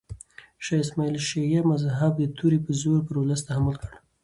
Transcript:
شاه اسماعیل شیعه مذهب د تورې په زور پر ولس تحمیل کړ.